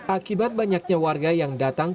akibat banyaknya warga yang datang